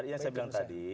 tidak saya kira tadi